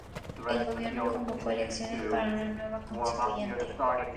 El Gobierno convocó a elecciones para una nueva Constituyente.